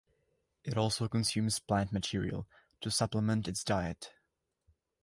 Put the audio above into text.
It also consumes plant material to supplement its diet.